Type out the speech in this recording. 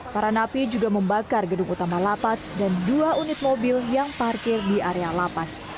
para napi juga membakar gedung utama lapas dan dua unit mobil yang parkir di area lapas